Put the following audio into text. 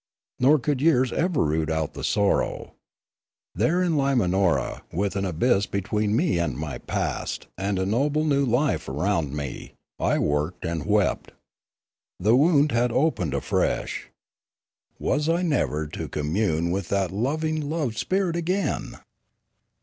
Nor could years ever root out the sorrow. There in Limanora, with an abyss between me and my past, and a noble new life around me, I worked and wept. The wound had opened afresh. Was I never to commune with that loving loved spirit again